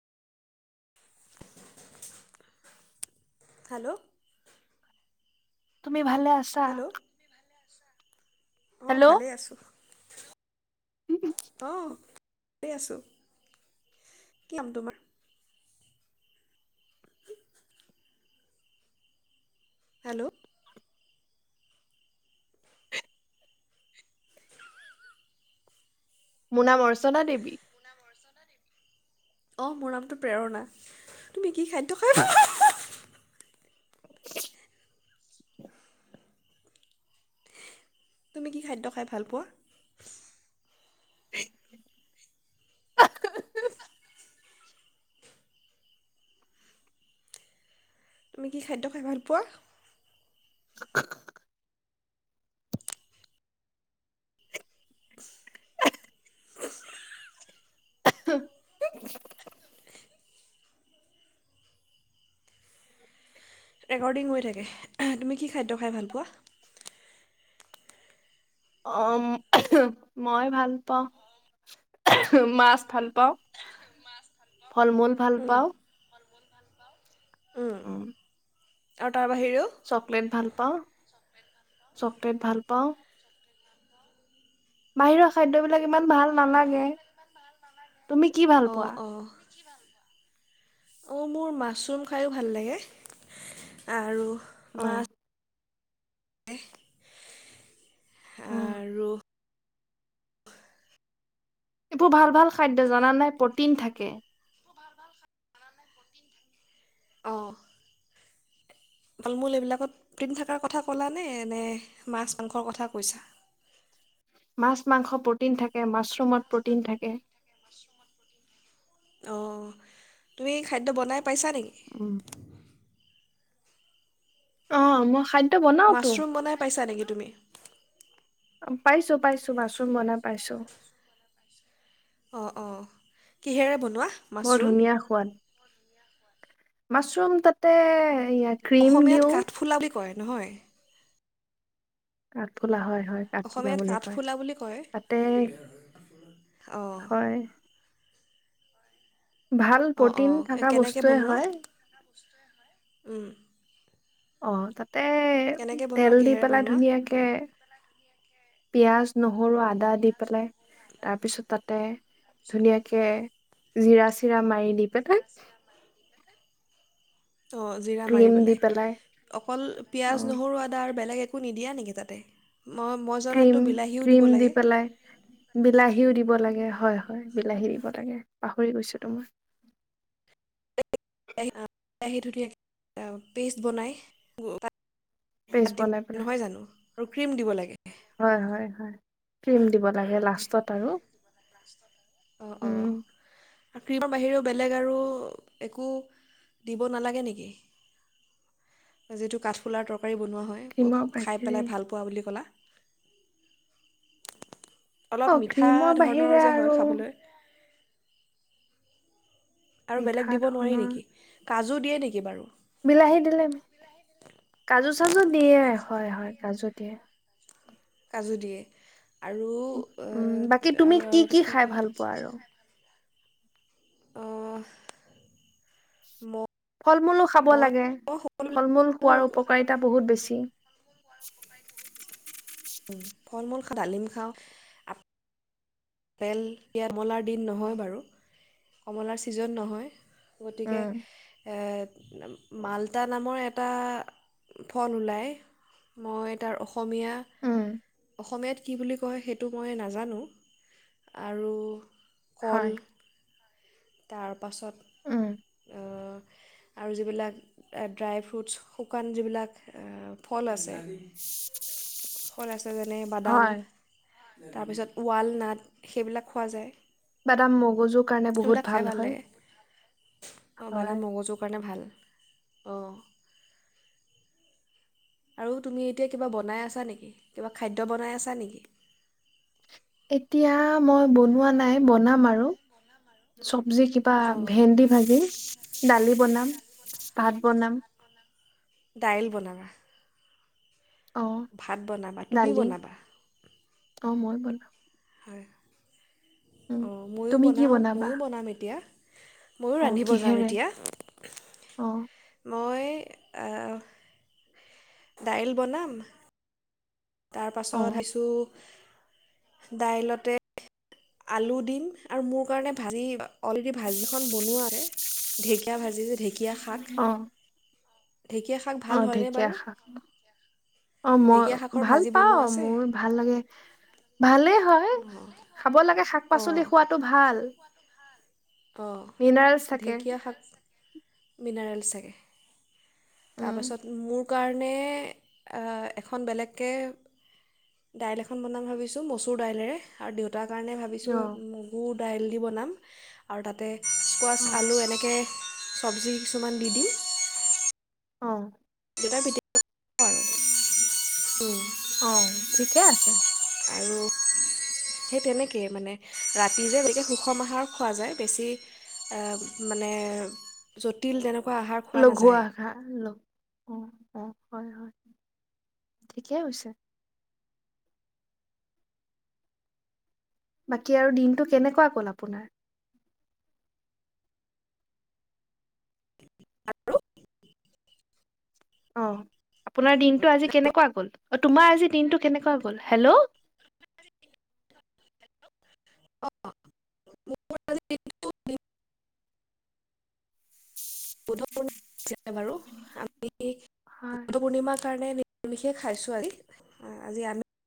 হাল্ল তুমি ভালে আ হেল্ল অঁ হেল্ল'। ভালেই আছোঁ। অ ঠিকে আছো। কি নাম তোমাৰ? হেল্ল মোৰ নাম অৰ্চনা দেৱী। অৰ্চনা দেৱী। অঁ মোৰ নামটো প্ৰেৰণা, তুমি কি খাদ্য খাই [unintelligible] তুমি কি খাদ্য খাই ভাল পোৱা? [unintelligible] [unintelligible] তুমি কি খাদ্য খাই ভাল পোৱা? [unintelligible] [inaudible] ৰেকৰ্ডিং হৈ থাকে। তুমি কি খাদ্য খাই ভাল পোৱা? অ মই ভাল পাওঁ মাছ ভাল, পাওঁ ফল মূল ভাল পাওঁ। উম, আৰু তাৰ বাহিৰেও। চকলেট ভাল পাওঁ, চকলেট ভাল পাওঁ। বাহিৰৰ খাদ্যবিলাক ইমান ভাল নালাগে। তুমি কি ভাল পোৱা? অ' মোৰ মাছৰূম খায়ো ভাল লাগে। আৰু অ', মাছ অ'। আৰু এইবোৰ ভাল ভাল খাদ্য জানানে? প্ৰটিন থাকে। অ'। তাল মূল এইবিলাকত প্ৰিণ্ট থাকাৰ কথা ক'লানে নে মাছ মাংসৰ কথা কৈছা? মাছ মাংস প্ৰটিন থাকে, মাছৰুমত প্ৰটিন থাকে। [inaudible] অ' তুমি খাদ্য বনাই পাইছা নেকি? [inaudible] অ' মই খাদ্ মাছৰুম বনাই পাইছা নেকি তুমি? পাইছো পাইছো মাছৰুম বনাই পাইছো। অ', অ', কিহেৰে বনোৱা? বৰ মাছৰুম? ধুনীয়া সোৱাদ। মাছৰুম তাতে ক্ৰীম অসমীয়াত দিওঁ। কাঠফুলা বুলি কয় নহয়? কাঠফুলা হয় হয়। কাঠফুলা অসমীয়াত বুলি কয়, কাঠফুলা বুলি কয়। তাতে অঁ হয় ভাল অ', প্ৰটিন অ' থকা কেনেকে বস্তুৱে বনোৱা? হয় উম। অ' তাতে কেনেকৈ বনোৱা তেল দি কিহেৰে পেলাই বনোৱা? ধুনীয়াকে কে পিয়াঁজ, নহৰু, আদা দা দি পেলাই তাৰপিছত তাতে ধুনীয়াকে জিৰা- চিৰা মাৰি দি পেলাই ত' জিৰা মাৰি ক্ৰীম দি পেলাই, অকল অ পিঁয়াজ, নহৰু, আদা আৰু বেলেগ একো নিদিয়া নেকি তাতে? মই মই ক্ৰীম জনাতটো বিলাহীও ক্ৰীম দিব দি লাগে। পেলাই বিলাহীও দিব লাগে, হয় হয়। বিলাহী দিব লাগে, পাহৰি গৈছিলোঁ মই। বিলাহী ধুনীয়াকৈ পেষ্ট বনাই পেষ্ট [unintelligible] বনাই পেলাই নহয় জানো? আৰু ক্ৰীম দিব লাগে। হয়, হয়, হয়। তিল দিব লাগে লাষ্টত আৰু অ', উম অ', ক্ৰীমৰ বাহিৰেও বেলেগ আৰু একো দিব নালাগে নেকি? যিটো কাঠফুলাৰ তৰকাৰী বনোৱা হয়। ক্ৰীমৰ খুব খাই বাহিৰে পেলাই ভাল পোৱা বুলি ক'লা। অ অলপ মিঠা ক্ৰীমৰ বাহিৰে ধৰণৰ যে হয় আৰু খাবলৈ। আৰু মিঠা বেলেগ দিব নোৱাৰি ধৰণৰ নেকি? কাজু দিয়ে নেকি বাৰু? বিলাহী দিলে। কাজু -চাজু দিয়ে। হয়, হয়। কাজু দিয়ে। কাজু দিয়ে। আৰু এ আৰু আৰু এইটো কি কয় বাৰু আহ ম ফল- মূলো খাব লাগে। ফল-মূল খোৱাৰ সকলোবিলাক উপকাৰিতা বহুত বেছি। ফল- মূল খাওঁ, দালিম খাওঁ। আপেল, এয়াৰমলাৰ দিন নহয় বাৰু। কমলাৰ ছিজন নহয়। গতিকে উম এ, মালতা নামৰ এটা, ফল ওলায়। মই তাৰ অসমীয়া, উম অসমীয়াত কি বুলি কয়, সেইটো মই নাজানোঁ। আৰু কল। হয় তাৰপাছত, উম অ' আৰু যিবিলাক, ড্ৰাই ফ্ৰুটছ। শুকান যিবিলাক, ফল আছে। ফল আছে, যেনে- বাদাম। হয় তাৰপিছত, ৱাল নাট, সেইবিলাক খোৱা যায়। বাদাম মগজুৰ কাৰণে, বহুত ভাল হয়। অ'! হয় বাদাম মগজুৰ কাৰণে, ভাল। অ'! আৰু তুমি এতিয়া, কিবা বনাই আছা নেকি, কিবা খাদ্য বনাই আছা নেকি? এতিয়া, মই বনোৱা নাই, বনাম আৰু। চবজি কিবা, অঁ ভেন্দি ভাজি, দালি বনাম, ভাত বনাম। দাইল বনাবা? অ ভাত বনাবা, তুমি দালি বনাবা? অ'! মই বনাম। হয়, উম অ'! ময়ো তুমি কি বনাওঁ, বনাবা মইয়ো বনাম এতিয়া। মইয়ো অ ৰান্ধিব যাম কিহেৰে এতিয়া। অ মই, আঁ, দাইল বনাম। অ তাৰপাছত, [unintelligible] দাইলতে আলু দিম। আৰু মোৰ কাৰণে, ভাজি অলৰেডি ভাজিখন বনোৱা আছে। ঢেঁকীয়া ভাজি যে, ঢেঁকীয়া শাক। অ ঢেঁকীয়া অ'! ঢেঁকীয়া শাক। অ' মই, ঢেকীয়া শাকৰ ভাল ভাজি বনোৱা পাওঁ, আছে মোৰ ভাল লাগে! ভালেই হয়। অঁ খাব লাগে, শাক-পাচলি খোৱাটো ভাল। অ'! মিনাৰেলছ থাকে ঢেঁকীয়া শাক মিনাৰেল চাগে। উম তাৰপাছত, মোৰ কাৰণে, আঁ এখন বেলেগকে দাইল এখন বনাম ভাবিছোঁ, মচুৰ দাইলেৰে। আৰু দেউতাৰ কাৰণে, ভাব বিছোঁ! অ মগু দাইল দি বনাম। আৰু তাতে, অ স্কোৱাচ, আলু এনেকে, চবজি কিছুমান দি দিম। অ'! [unintelligible] খাব আৰু উম, [unintelligible] অ'! ঠিকে আছে। আৰু সেই তেনেকেই মানে। ৰাতি যে গতিকে, সুষম আহাৰ খোৱা যায়। বেছি আঁ মানে, জটিল তেনেকুৱা আহাৰ খোৱা লঘু নাযায় আহাৰ। অ' অ'! হয়, হয়! ঠিকে হৈছে। বাকী আৰু দিনটো, কেনেকুৱা গ'ল আপোনাৰ? অ'! আপোনাৰ দিনটো আজি, কেনেকুৱা গ'ল? অ'! তোমাৰ আজি, দিনটো কেনেকুৱা গ'ল? হেল্ল'! অঁ মোৰ আজি দিনটো [unintelligible] ছে বাৰু। আমি, হয় বুদ্ধ পূৰ্ণিমাৰ কাৰণে, নি মিষে খাইছোঁ আজি। আজি আমি,